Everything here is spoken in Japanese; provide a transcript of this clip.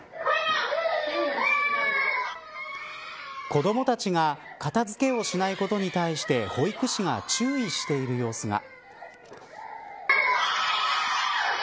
子どもたちが片付けをしないことに対して保育士が注意している様子が。